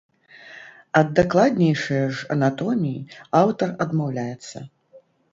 Ад дакладнейшае ж анатоміі аўтар адмаўляецца.